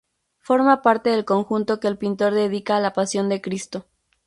Forma parte del conjunto que el pintor dedica a la Pasión de Cristo.